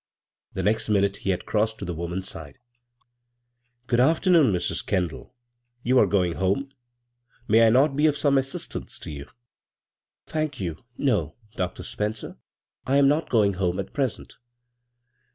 The next minute he had crossed to the woman's side. " Good aftemoon, Mrs. Kendall You are 72 b, Google CROSS CURRENTS going home ? May I not be of some assist ance to you ?"" Thank you, no, Dr. Spencer. I am not going home at present."